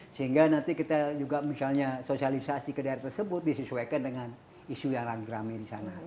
sehingga nanti kita juga misalnya sosialisasi ke daerah tersebut disesuaikan dengan isu yang rame rame di sana